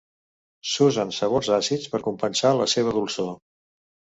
S'usen sabors àcids per compensar la seva dolçor.